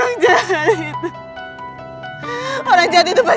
karena aku masih punya mama sama papa